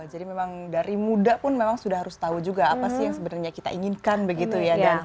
jadi memang dari muda pun memang sudah harus tahu juga apa sih yang sebenarnya kita inginkan begitu ya